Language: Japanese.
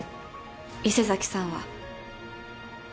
伊勢崎さんは。